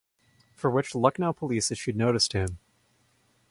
For which Lucknow Police issued notice to him.